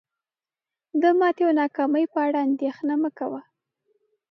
د ماتي او ناکامی په اړه اندیښنه مه کوه